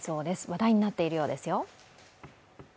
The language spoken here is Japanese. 話題になっているようですよ。